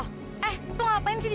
apa yang kamu lakukan di sini